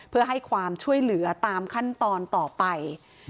เพื่อให้ความช่วยเหลือตามขั้นตอนต่อไป